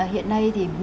hiện nay thì